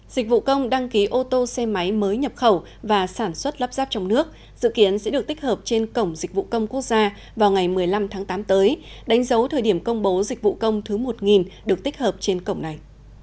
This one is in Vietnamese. dịch vụ công đăng ký ô tô xe máy mới nhập khẩu và sản xuất lắp ráp trong nước dự kiến sẽ được tích hợp trên cổng dịch vụ công quốc gia vào ngày một mươi năm tháng tám tới đánh dấu thời điểm công bố dịch vụ công thứ một được tích hợp trên cổng này